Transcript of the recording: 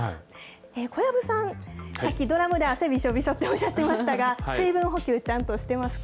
小籔さん、さっき、ドラムで汗びしょびしょっておっしゃってましたが、水分補給ちゃんとしてますか。